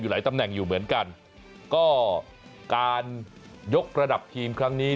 หลายตำแหน่งอยู่เหมือนกันก็การยกระดับทีมครั้งนี้